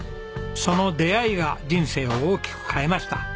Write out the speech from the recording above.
その出会いが人生を大きく変えました。